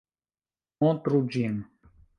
Montru ĝin!